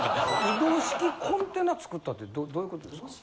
移動式コンテナ作ったってどういうことですか？